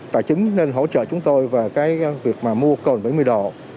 tài chính nên hỗ trợ chúng tôi vào cái việc mà mua cồn bảy mươi độ